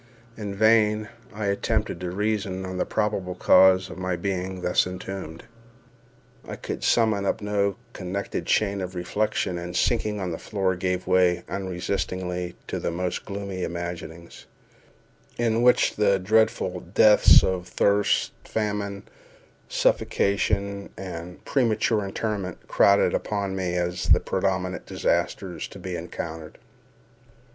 In vain I attempted to reason on the probable cause of my being thus entombed. I could summon up no connected chain of reflection, and, sinking on the floor, gave way, unresistingly, to the most gloomy imaginings, in which the dreadful deaths of thirst, famine, suffocation, and premature interment crowded upon me as the prominent disasters to be encountered.